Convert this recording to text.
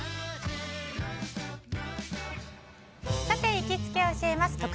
さて行きつけ教えます！